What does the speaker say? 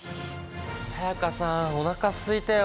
才加さんおなかすいたよ。